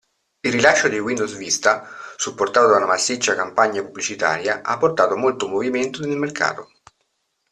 Il rilascio di Windows Vista, supportato da una massiccia campagna pubblicitaria, ha portato molto movimento nel mercato.